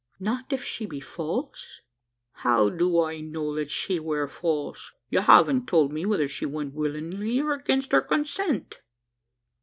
"Not if she be false?" "How do I know that she war false? You haven't told me whether she went willin'ly or agin her consent."